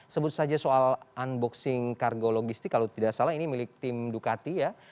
sebut saja soal unboxing kargo logistik kalau tidak salah ini milik tim ducati ya